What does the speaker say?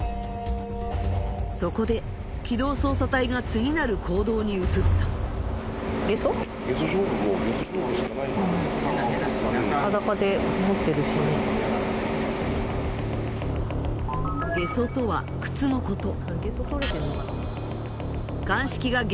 そこで機動捜査隊が次なる行動に移ったゲソとは靴のこと